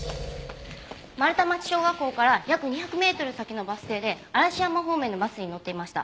丸太町小学校から約２００メートル先のバス停で嵐山方面のバスに乗っていました。